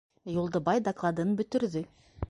Юлдыбай докладын бөтөрҙө.